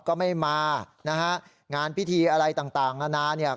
ก็ไม่มานะฮะงานพิธีอะไรต่างนานาเนี่ย